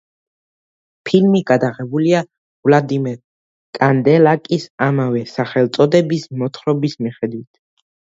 ფილმი გადაღებულია ვლადიმერ კანდელაკის ამავე სახელწოდების მოთხრობის მიხედვით.